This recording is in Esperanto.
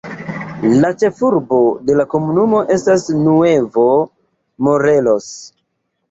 La ĉefurbo de la komunumo estas Nuevo Morelos.